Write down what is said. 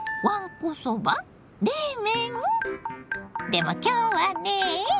でも今日はねえ。